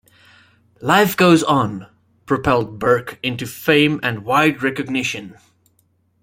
"Life Goes On" propelled Burke into fame and wide recognition.